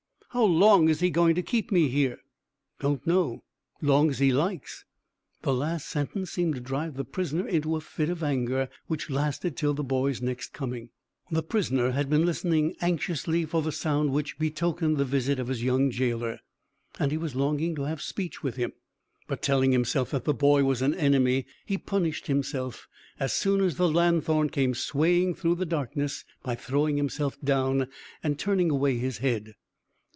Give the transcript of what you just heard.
"How long is he going to keep me here?" "Don't know. Long as he likes." That last sentence seemed to drive the prisoner into a fit of anger, which lasted till the boy's next coming. The prisoner had been listening anxiously for the sound which betokened the visit of his young gaoler, and he was longing to have speech with him; but, telling himself that the boy was an enemy, he punished himself, as soon as the lanthorn came swaying through the darkness, by throwing himself down and turning away his head.